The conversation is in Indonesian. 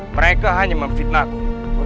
mereka hanya memfitnahku